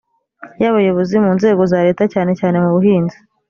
y abayobozi mu nzego za leta cyane cyane mubuhinzi